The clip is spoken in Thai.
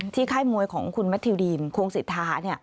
ที่ไข้มวยของคุณมัธิวดีนโคงศิษฐานี่